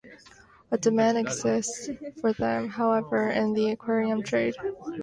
A demand exists for them, however, in the aquarium trade.